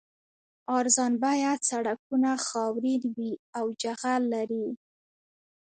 ارزان بیه سړکونه خاورین وي او جغل لري